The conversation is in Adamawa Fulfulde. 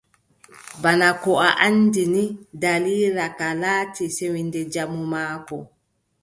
Bana ko anndini, daliila ka, laati sewnde jamu maako.